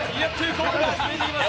コールが続けています。